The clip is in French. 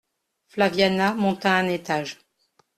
Flaviana monta un étage.